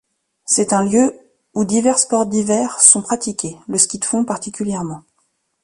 C'est un lieu où divers sports d'hiver sont pratiqués, le ski de fond particulièrement.